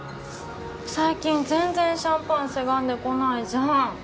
最近全然シャンパンせがんでこないじゃん。